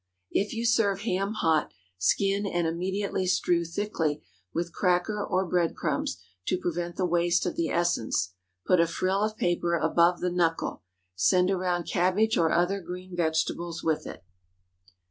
If you serve ham hot, skin, and immediately strew thickly with cracker or bread crumbs, to prevent the waste of the essence. Put a frill of paper about the knuckle. Send around cabbage or other green vegetables with it.